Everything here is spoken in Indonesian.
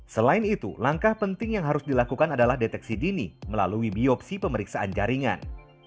selain itu langkah penting yang harus dilakukan adalah deteksi dini melalui biopsi pemeriksaan jaringan